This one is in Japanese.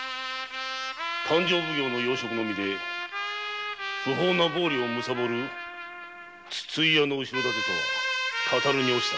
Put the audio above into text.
勘定奉行の要職の身で不法な暴利をむさぼる筒井屋の後ろ盾とは語るに落ちたな。